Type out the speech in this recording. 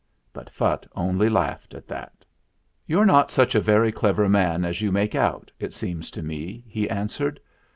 But Phutt only laughed at that. "You're not such a very clever man as you make out, it seems to me," he answered.